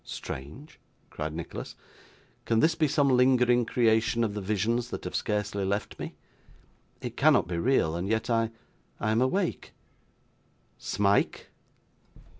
'Strange!' cried Nicholas; 'can this be some lingering creation of the visions that have scarcely left me! It cannot be real and yet I I am awake! Smike!